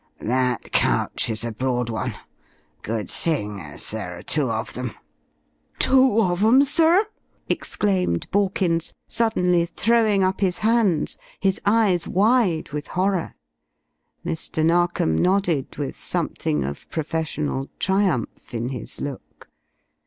That couch is a broad one. Good thing, as there are two of 'em." "Two of 'em, sir?" exclaimed Borkins, suddenly throwing up his hands, his eyes wide with horror. Mr. Narkom nodded with something of professional triumph in his look.